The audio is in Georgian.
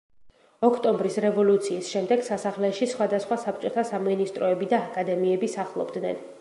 ოქტომბრის რევოლუციის შემდეგ სასახლეში სხვადასხვა საბჭოთა სამინისტროები და აკადემიები სახლობდნენ.